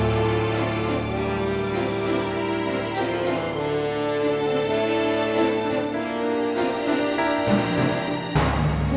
ini adalah kebenaran kita